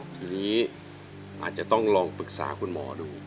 ทีนี้อาจจะต้องลองปรึกษาคุณหมอดู